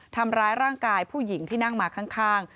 ทำร้ายร่างกายผู้หญิงที่นั่งมาข้าง